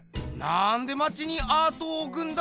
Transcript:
なんでまちにアートをおくんだ？